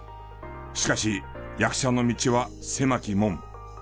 しかし役者の道は狭き門。